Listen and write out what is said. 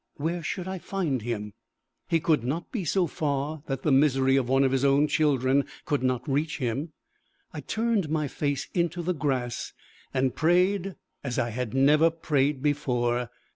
Where should I find him? He could not be so far that the misery of one of his own children could not reach him! I turned my face into the grass, and prayed as I had never prayed before.